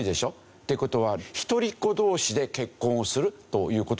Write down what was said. っていう事は一人っ子同士で結婚をするという事になるとどうですか？